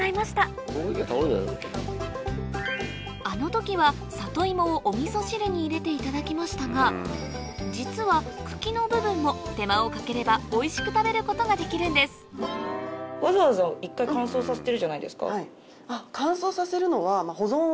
あの時は里芋をおみそ汁に入れていただきましたが実は茎の部分も手間をかければおいしく食べることができるんですっていうのがあるので。